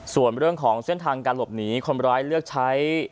ส่วนเรื่องของเส้นทางการหลบหนีคนร้ายเลือกใช้